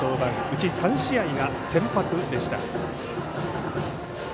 うち３試合が先発でした。